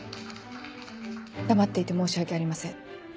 黙っていて申し訳ありません。